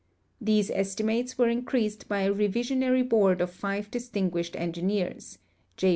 These estimates were increased l)V a revisionary board of five distinguished engineers — J.